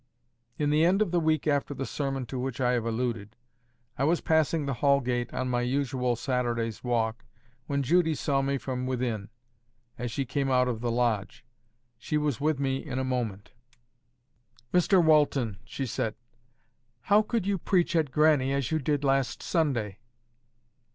In the end of the week after the sermon to which I have alluded, I was passing the Hall gate on my usual Saturday's walk, when Judy saw me from within, as she came out of the lodge. She was with me in a moment. "Mr Walton," she said, "how could you preach at Grannie as you did last Sunday?"